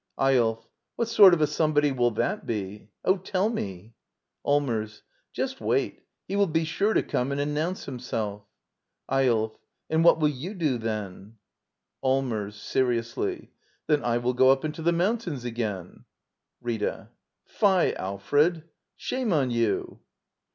Eyolf. What sort of a somebody will that be? Oh, tell me! Allmers. Just wait! He will be sure to come and announce himself. Eyolf. And what will you do then? Allmers. [Seriously.] Then I will go up into the mountains again — Rita. Fie, Alfred! Shame on you!